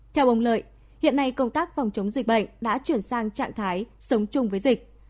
theo ông lợi hiện nay công tác phòng chống dịch bệnh đã chuyển sang trạng thái sống chung với dịch